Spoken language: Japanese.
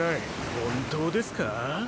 本当ですか？